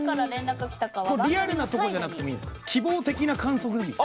リアルなところじゃなくて希望的観測でもいいんですか？